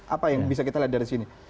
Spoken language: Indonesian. apa yang bisa kita lihat dari sini